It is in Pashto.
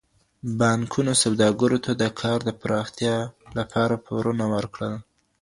بانکونو سوداګرو ته د کار د پراختيا لپاره پورونه ورکړل.